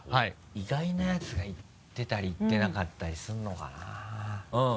意外なヤツがいってたりいってなかったりするのかな？